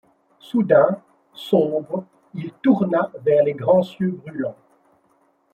Soudain, sombre, il tourna vers les grands cieux brûlants